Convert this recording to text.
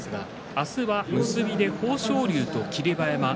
明日は結びで豊昇龍と霧馬山。